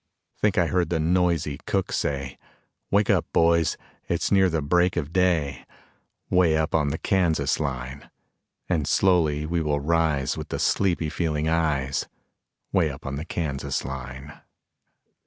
Think I heard the noisy cook say, "Wake up, boys, it's near the break of day," Way up on the Kansas line, And slowly we will rise with the sleepy feeling eyes, Way up on the Kansas line.